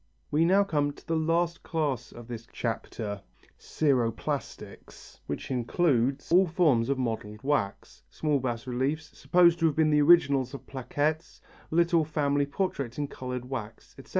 We now come to the last class of this chapter, ceroplastics, which includes all forms of modelled wax, small bas reliefs supposed to have been the originals of plaquettes, little family portraits in coloured wax, etc.